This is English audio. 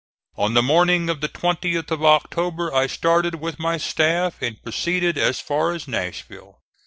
On the morning of the 20th of October I started, with my staff, and proceeded as far as Nashville.